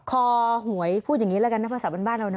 หวยพูดอย่างนี้แล้วกันนะภาษาเป็นบ้านเรานะ